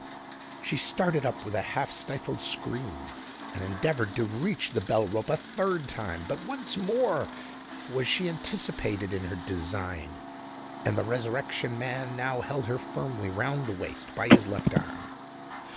She started up with a half stifled scream, and endeavoured to reach the bell rope a third time. But once more was she anticipated in her design; and the Resurrection Man now held her firmly round the waist by his left arm.